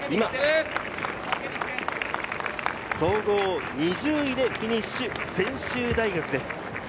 総合２０位でフィニッシュ、専修大学です。